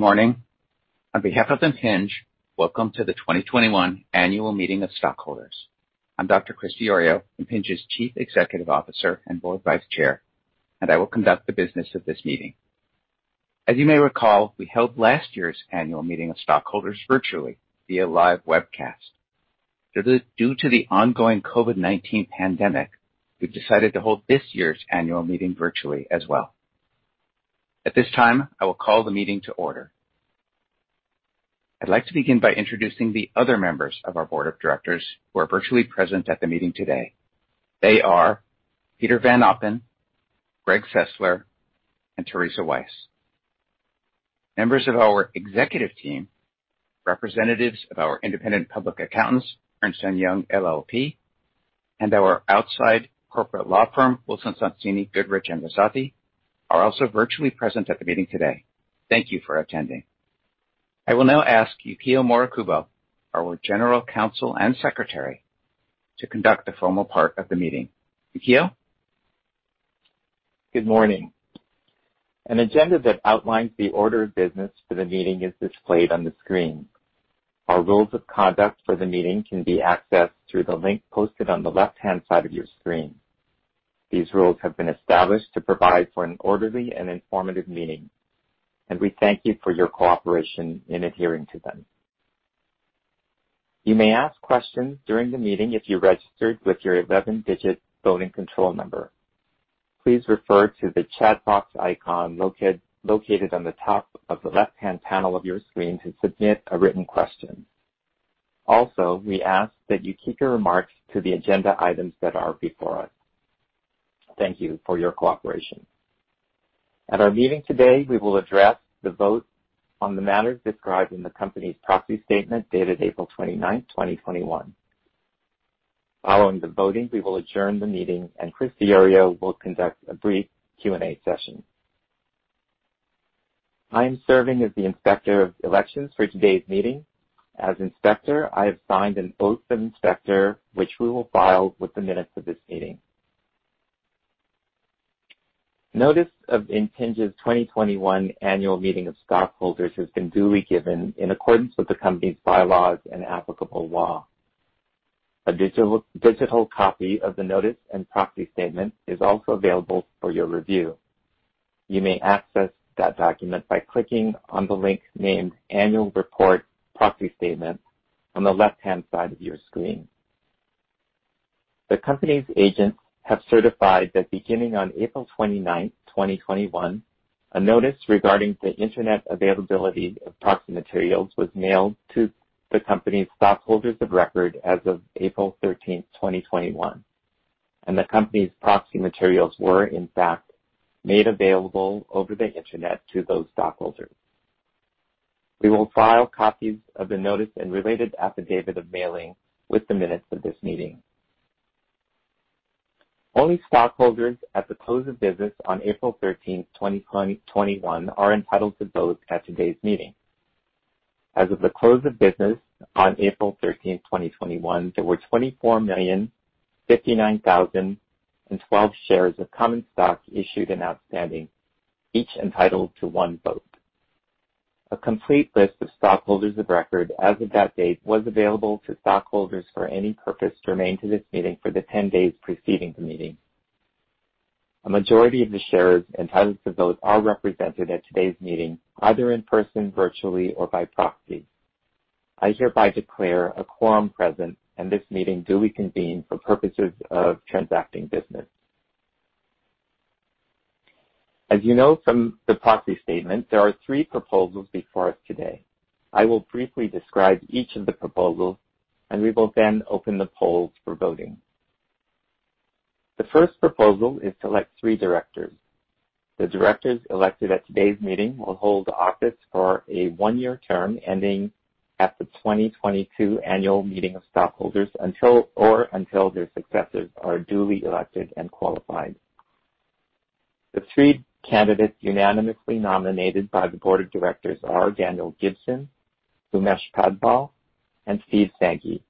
Good morning. On behalf of Impinj, welcome to the 2021 Annual Meeting of Stockholders. I'm Dr. Chris Diorio, Impinj's Chief Executive Officer and Board Vice Chair, and I will conduct the business of this meeting. As you may recall, we held last year's Annual Meeting of Stockholders virtually via live webcast. Due to the ongoing COVID-19 pandemic, we've decided to hold this year's Annual Meeting virtually as well. At this time, I will call the meeting to order. I'd like to begin by introducing the other members of our Board of Directors who are virtually present at the meeting today. They are Peter van Oppen, Greg Sessler, and Theresa Wise. Members of our executive team, representatives of our independent public accountants, Ernst & Young LLP, and our outside corporate law firm, Wilson Sonsini Goodrich & Rosati, are also virtually present at the meeting today. Thank you for attending. I will now ask Yukio Morikubo, our General Counsel and Secretary, to conduct the formal part of the meeting. Yukio? Good morning. An agenda that outlines the order of business for the meeting is displayed on the screen. Our rules of conduct for the meeting can be accessed through the link posted on the left-hand side of your screen. These rules have been established to provide for an orderly and informative meeting, and we thank you for your cooperation in adhering to them. You may ask questions during the meeting if you registered with your 11-digit voting control number. Please refer to the chat box icon located on the top of the left-hand panel of your screen to submit a written question. Also, we ask that you keep your remarks to the agenda items that are before us. Thank you for your cooperation. At our meeting today, we will address the vote on the matters described in the company's proxy statement dated April 29, 2021. Following the voting, we will adjourn the meeting, and Chris Diorio will conduct a brief Q&A session. I am serving as the Inspector of Elections for today's meeting. As Inspector, I have signed an oath of inspector, which we will file with the minutes of this meeting. Notice of Impinj's 2021 Annual Meeting of Stockholders has been duly given in accordance with the company's bylaws and applicable law. A digital copy of the notice and proxy statement is also available for your review. You may access that document by clicking on the link named Annual Report Proxy Statement on the left-hand side of your screen. The company's agents have certified that beginning on April 29, 2021, a notice regarding the Internet availability of proxy materials was mailed to the company's stockholders of record as of April 13, 2021, and the company's proxy materials were, in fact, made available over the Internet to those stockholders. We will file copies of the notice and related affidavit of mailing with the minutes of this meeting. Only stockholders at the close of business on April 13, 2021, are entitled to vote at today's meeting. As of the close of business on April 13, 2021, there were 24,059,012 shares of common stock issued and outstanding, each entitled to one vote. A complete list of stockholders of record as of that date was available to stockholders for any purpose germane to this meeting for the 10 days preceding the meeting. A majority of the shares entitled to vote are represented at today's meeting, either in person, virtually, or by proxy. I hereby declare a quorum present, and this meeting duly convened for purposes of transacting business. As you know from the proxy statement, there are three proposals before us today. I will briefly describe each of the proposals, and we will then open the polls for voting. The first proposal is to elect three Directors. The Directors elected at today's meeting will hold office for a one-year term ending at the 2022 Annual Meeting of Stockholders or until their successors are duly elected and qualified. The three candidates unanimously nominated by the Board of Directors are Daniel Gibson, Umesh Padval, and Steve Sanghi.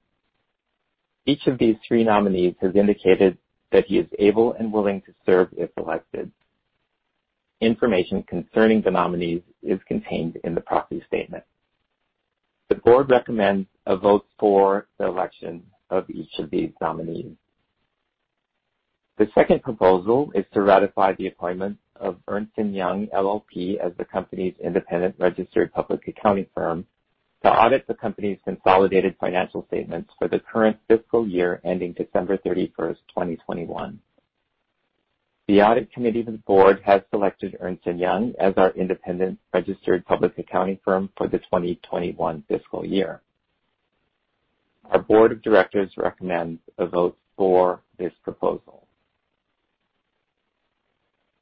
Each of these three nominees has indicated that he is able and willing to serve if elected. Information concerning the nominees is contained in the proxy statement. The Board recommends a vote for the election of each of these nominees. The second proposal is to ratify the appointment of Ernst & Young LLP as the company's independent registered public accounting firm to audit the company's consolidated financial statements for the current fiscal year ending December 31, 2021. The Audit Committee of the Board has selected Ernst & Young as our independent registered public accounting firm for the 2021 fiscal year. Our Board of Directors recommends a vote for this proposal.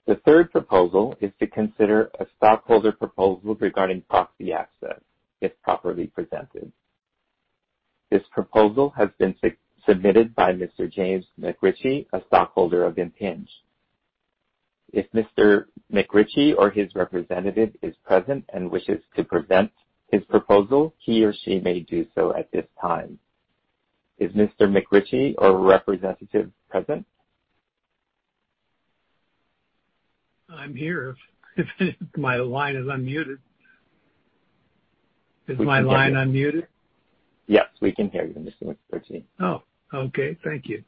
The third proposal is to consider a stockholder proposal regarding proxy access, if properly presented. This proposal has been submitted by Mr. James McRitchie, a stockholder of Impinj. If Mr. McRitchie or his representative is present and wishes to present his proposal, he or she may do so at this time. Is Mr. McRitchie or a representative present? I'm here. My line is unmuted. Is my line unmuted? Yes, we can hear you, Mr. McRitchie. Oh, okay. Thank you.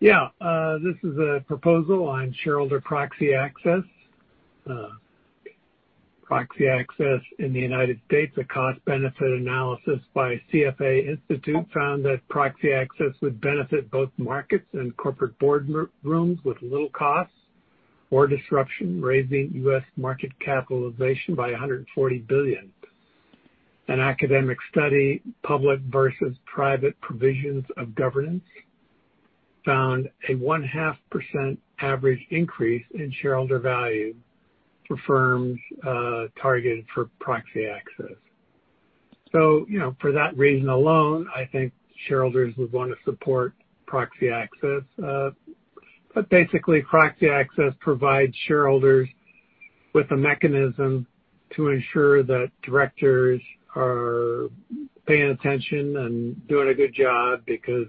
Yeah, this is a proposal on shareholder proxy access. Proxy access in the United States, a cost-benefit analysis by CFA Institute found that proxy access would benefit both markets and corporate boardrooms with little cost or disruption, raising U.S. market capitalization by $140 billion. An academic study, Public Versus Private Provisions of Governance, found a 0.5% average increase in shareholder value for firms targeted for proxy access. So for that reason alone, I think shareholders would want to support proxy access. But basically, proxy access provides shareholders with a mechanism to ensure that Directors are paying attention and doing a good job because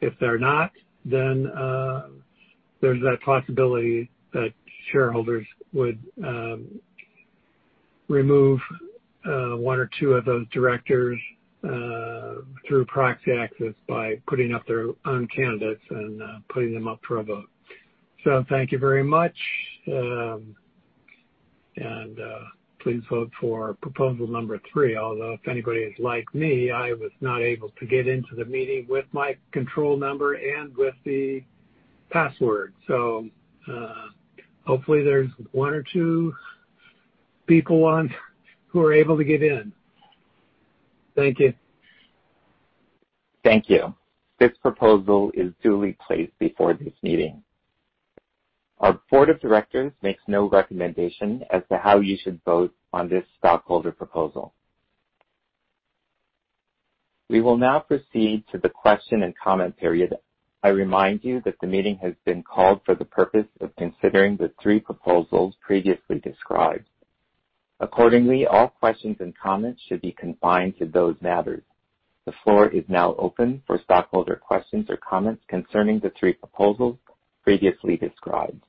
if they're not, then there's that possibility that shareholders would remove one or two of those Directors through proxy access by putting up their own candidates and putting them up for a vote. So thank you very much. Please vote for proposal number three, although if anybody is like me, I was not able to get into the meeting with my control number and with the password. So hopefully there's one or two people who are able to get in. Thank you. Thank you. This proposal is duly placed before this meeting. Our Board of Directors makes no recommendation as to how you should vote on this stockholder proposal. We will now proceed to the question and comment period. I remind you that the meeting has been called for the purpose of considering the three proposals previously described. Accordingly, all questions and comments should be confined to those matters. The floor is now open for stockholder questions or comments concerning the three proposals previously described.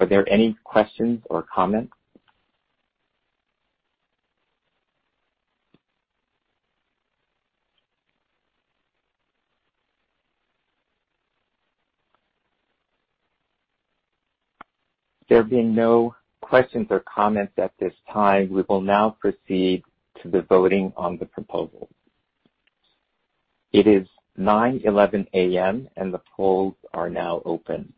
Are there any questions or comments? There being no questions or comments at this time, we will now proceed to the voting on the proposals. It is 9:11 A.M., and the polls are now open.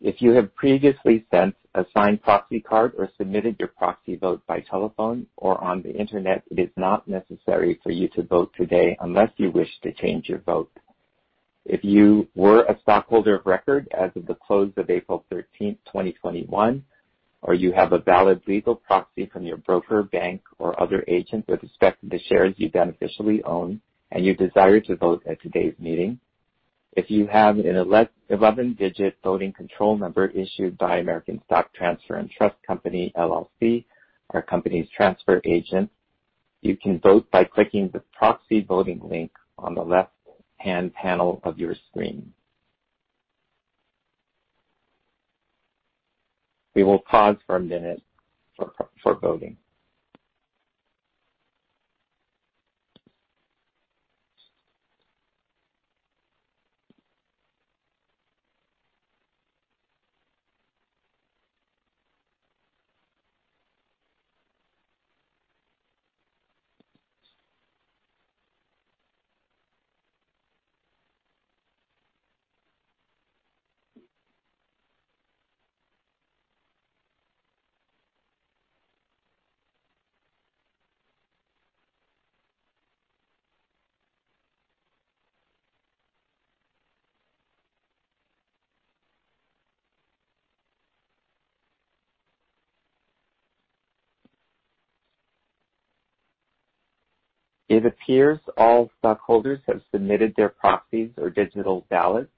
If you have previously sent a signed proxy card or submitted your proxy vote by telephone or on the Internet, it is not necessary for you to vote today unless you wish to change your vote. If you were a stockholder of record as of the close of April 13, 2021, or you have a valid legal proxy from your broker, bank, or other agent with respect to the shares you beneficially own and you desire to vote at today's meeting, if you have an 11-digit voting control number issued by American Stock Transfer & Trust Company, LLC, our company's transfer agent, you can vote by clicking the proxy voting link on the left-hand panel of your screen. We will pause for a minute for voting. It appears all stockholders have submitted their proxies or digital ballots.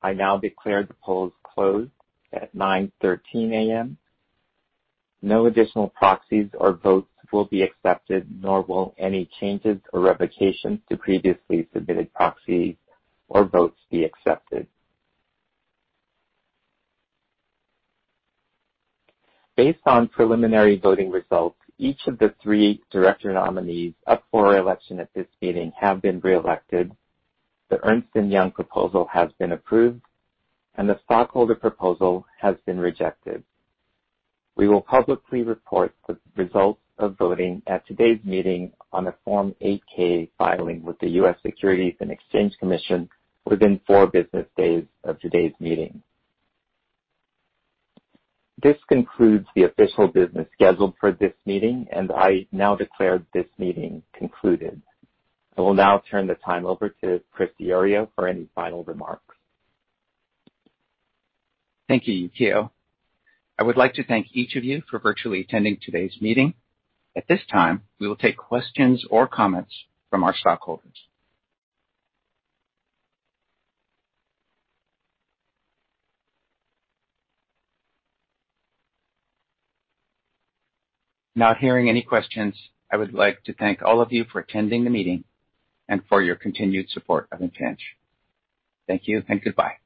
I now declare the polls closed at 9:13 A.M. No additional proxies or votes will be accepted, nor will any changes or revocations to previously submitted proxies or votes be accepted. Based on preliminary voting results, each of the three Director nominees up for election at this meeting have been reelected. The Ernst & Young proposal has been approved, and the stockholder proposal has been rejected. We will publicly report the results of voting at today's meeting on a Form 8-K filing with the U.S. Securities and Exchange Commission within four business days of today's meeting. This concludes the official business scheduled for this meeting, and I now declare this meeting concluded. I will now turn the time over to Chris Diorio for any final remarks. Thank you, Yukio. I would like to thank each of you for virtually attending today's meeting. At this time, we will take questions or comments from our stockholders. Not hearing any questions. I would like to thank all of you for attending the meeting and for your continued support of Impinj. Thank you and goodbye.